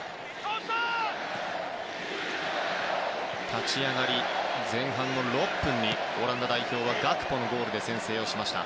立ち上がり、前半の６分にオランダ代表はガクポのゴールで先制をしました。